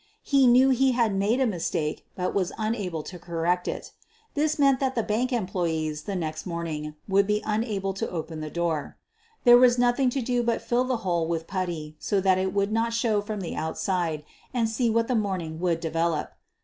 He knew he had made a mistake but was unable to correct it. This meant that the bank employees the next morn ing would be unable to open the door. There was nothing to do but fill the hole with putty so that it would not show from the outside and see what the morning would develop.